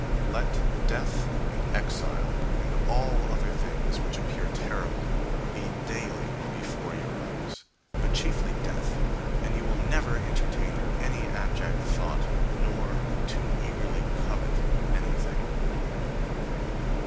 Let death and exile, and all other things which appear terrible be daily before your eyes, but chiefly death, and you win never entertain any abject thought, nor too eagerly covet anything.